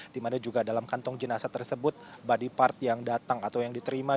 dimana juga dalam kantong jenazah tersebut body part yang datang atau yang diterima